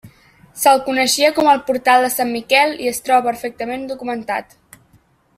Se'l coneixia com el portal de Sant Miquel i es troba perfectament documentat.